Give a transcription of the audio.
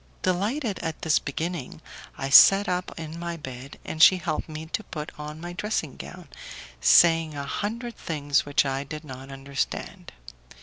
Delighted at this beginning, I sat up in my bed and she helped me to put on my dressing gown, saying a hundred things which I did not understand.